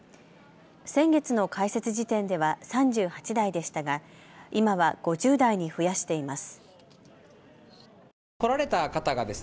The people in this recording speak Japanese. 先月の開設時点では３８台でしたが今は５０台に増やしています。